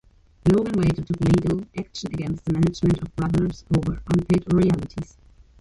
Logan later took legal action against the management of Brothers over unpaid royalties.